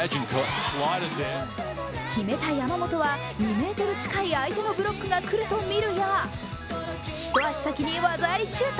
決めた山本は２ｍ近い相手のブロックが来ると見るや一足先に技ありシュート。